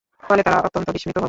ফলে তারা অত্যন্ত বিস্মিত হল।